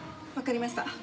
わかりました。